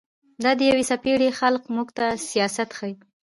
دا د يوې څپېړي خلق موږ ته سياست ښيي